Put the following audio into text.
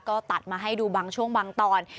ก็ตัดมาให้ดูบางช่วงบางตอน